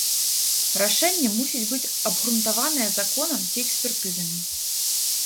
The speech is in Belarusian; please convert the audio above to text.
Рашэнне мусіць быць абгрунтаванае законам ці экспертызамі.